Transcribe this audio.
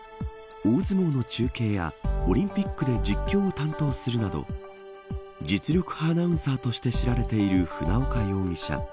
大相撲の中継やオリンピックで実況を担当するなど実力派アナウンサーとして知られている船岡容疑者